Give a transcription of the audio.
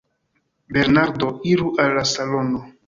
Bernardo: Iru al la salono.